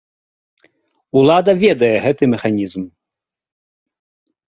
Улада ведае гэты механізм.